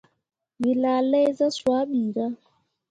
Wǝ laa lai zah swaa ɓirah.